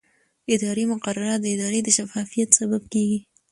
اداري مقررات د ادارې د شفافیت سبب کېږي.